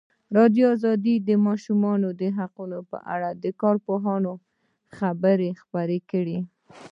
ازادي راډیو د د ماشومانو حقونه په اړه د کارپوهانو خبرې خپرې کړي.